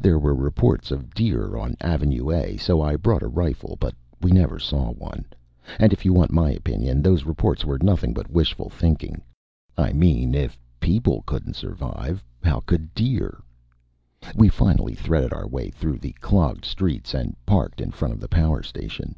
There were reports of deer on Avenue A, so I brought a rifle, but we never saw one; and if you want my opinion, those reports were nothing but wishful thinking. I mean if people couldn't survive, how could deer? We finally threaded our way through the clogged streets and parked in front of the power station.